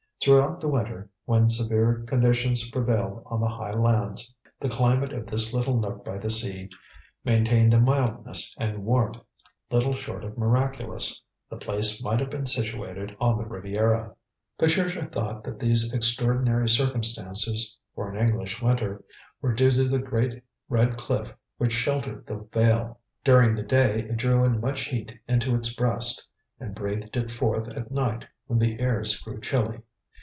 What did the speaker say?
Throughout the winter, when severe conditions prevailed on the high lands, the climate of this little nook by the sea maintained a mildness and warmth little short of miraculous. The place might have been situated on the Riviera. Patricia thought that these extraordinary circumstances for an English winter were due to the great red cliff which sheltered the vale. During the day it drew in much heat into its breast, and breathed it forth at night when the airs grew chilly.